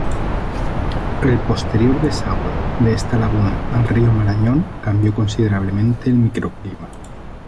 El posterior desagüe de esta laguna al Rio Marañón cambió considerablemente el microclima.